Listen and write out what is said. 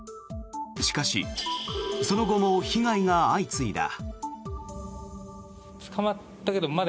しかし、その後も被害が相次いだ。